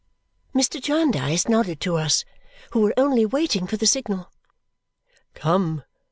Mr. Jarndyce nodded to us, who were only waiting for the signal. "Come!